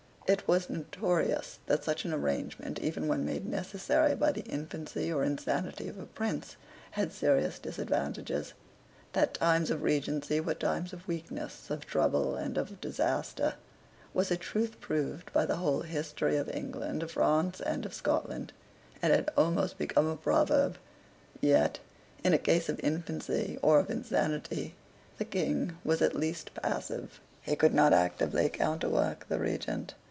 It was notorious that such an arrangement, even when made necessary by the infancy or insanity of a prince, had serious disadvantages. That times of Regency were times of weakness, of trouble and of disaster, was a truth proved by the whole history of England, of France, and of Scotland, and had almost become a proverb. Yet, in a case of infancy or of insanity, the King was at least passive. He could not actively counterwork the Regent.